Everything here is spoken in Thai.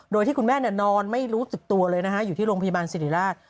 โดยที่คุณแม่นอนไม่รู้สึกตัวเลยนะฮะอยู่ที่โรงพยาบาลสิริราช